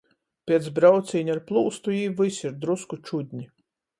Piec braucīņa ar plūstu jī vysi ir drusku čudni.